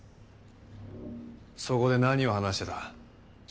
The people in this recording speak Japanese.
そこで何を話してた？